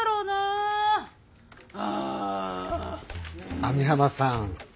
網浜さん。